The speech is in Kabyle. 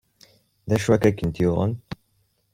D acu akka ay kent-yuɣen?